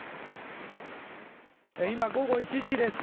今、午後１時です。